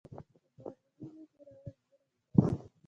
د معلولینو هېرول ظلم دی.